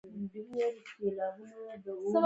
په څو شانداپولیو یې زلوبۍ او پتاسې واخیستې.